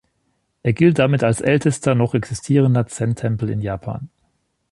Er gilt damit als ältester noch existierender Zen-Tempel in Japan.